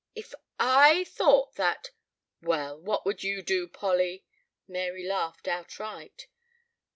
"If I thought that " "Well, what would you do, Polly?" Mary laughed outright.